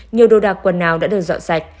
nhiều đồ đạc quần nào đã được dọn sạch